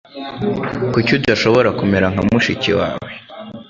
Kuki udashobora kumera nka mushiki wawe?